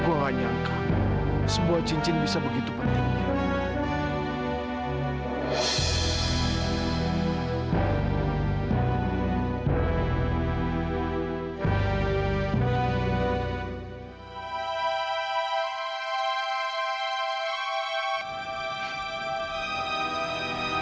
gue gak nyangka sebuah cincin bisa begitu penting